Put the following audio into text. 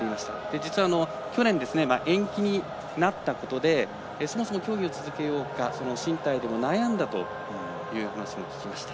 実は去年、延期になったことでそもそも競技を続けようか進退でも悩んだという話も聞きました。